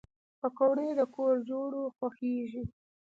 پکورې د کور جوړو خوښېږي